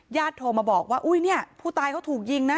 โทรมาบอกว่าอุ้ยเนี่ยผู้ตายเขาถูกยิงนะ